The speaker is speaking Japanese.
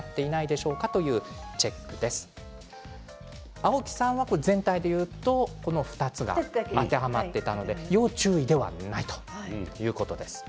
青木さんは全体で言うと２つが当てはまっていたので要注意ではないということです。